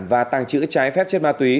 và tàng trữ trái phép trên ma túy